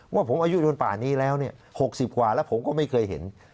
ว่าผมอายุจนป่านี้แล้ว๖๐กว่าแล้วผมก็ไม่เคยเห็น